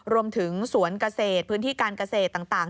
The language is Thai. รวมถึงสวนเกษตรพื้นที่การเกษตรต่าง